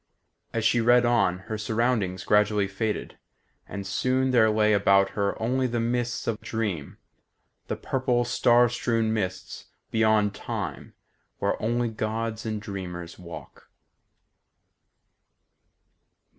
As she read on, her surroundings gradually faded, and soon there lay about her only the mists of dream; the purple, star strown mists beyond Time, where only gods and dreamers walk.